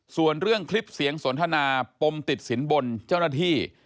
ส่วนเรื่องคลิปเสียงสนทนาปมติดสินบนเจ้าหน้าที่